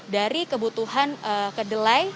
dari kebutuhan kedelai